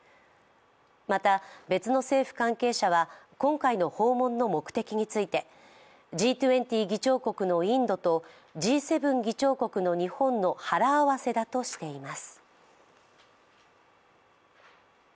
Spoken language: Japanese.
また、別の政府関係者は、今回の訪問の目的についてＧ２０議長国のインドとＧ７議長国日本の腹合わせだとしています。